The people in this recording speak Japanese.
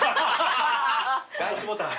第一ボタン。